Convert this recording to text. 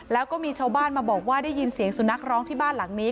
แล้วก็มีชาวบ้านมาบอกว่าได้ยินเสียงสุนัขร้องที่บ้านหลังนี้